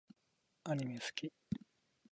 アニメ好き